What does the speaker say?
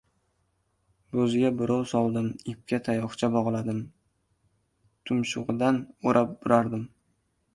Bo‘zga burov soldim: ipga tayoqcha bog‘ladim, tumshug‘idan o‘rab buradim.